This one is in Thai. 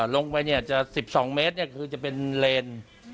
ลงไปจะ๑๒เมตรคือจะเป็นเลน